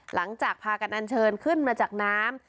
หลังจากพากันอันเชิญขึ้นมาจากน้ำ